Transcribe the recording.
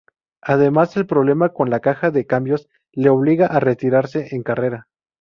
Además, el problema con la caja de cambios le obligó a retirarse en carrera.